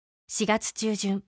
４月中旬